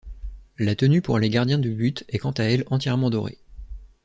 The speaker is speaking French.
La tenue pour les gardiens de but est quant à elle entièrement dorée.